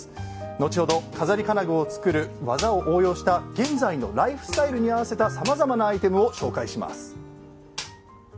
後ほど錺金具を作る技を応用した現在のライフスタイルに合わせたさまざまなアイテムを紹介します。